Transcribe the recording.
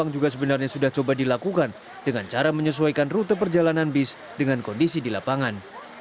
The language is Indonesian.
juga sebenarnya sudah coba dilakukan dengan cara menyesuaikan rute perjalanan bis dengan kondisi di lapangan